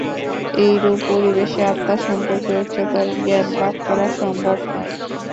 এইরূপ পরিবেশে আত্মা সম্পর্কে উচ্চতর জ্ঞান লাভ করা সম্ভব নয়।